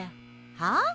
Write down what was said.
はあ？